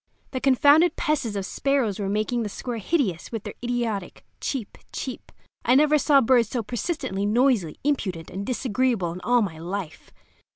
The confounded pests of sparrows were making the square hideous with their idiotic "cheep, cheep." I never saw birds so persistently noisy, impudent, and disagreeable in all my life.